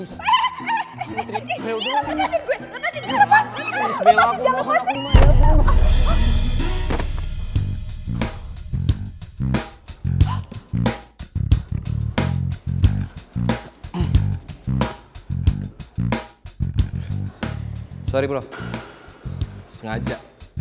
sorry bro sengaja